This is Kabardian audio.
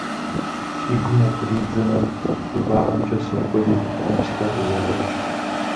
Си гум укъыридзэмэ, щӏыбагъымкӏэ сокӏуэри нэпсхэр щӏызогъэкӏ.